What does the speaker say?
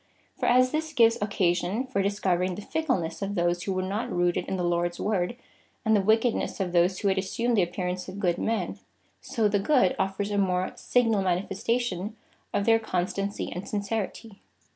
For as this gives occasion for discovering the fickleness of those who were not rooted in the Lord's Word, and the wickedness of those who had assumed the appearance of good men, so the good afford a more signal manifestation of their constancy and sincerity."